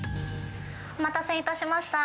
お待たせいたしました。